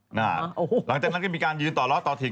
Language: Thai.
หลังจากนั้นก็มีการยืนต่อล้อต่อถิ่น